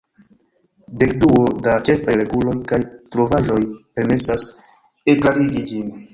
Dekduo da ĉefaj reguloj kaj trovaĵoj permesas ekklarigi ĝin.